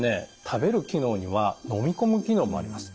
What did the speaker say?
食べる機能には飲み込む機能もあります。